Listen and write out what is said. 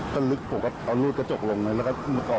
มันลึกเอารูดกระจกลงเลย